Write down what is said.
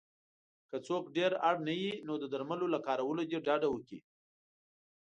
که څوک ډېر اړ نه وی نو د درملو له کارولو دې ډډه وکړی